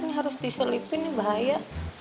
ini harus diselipin bahaya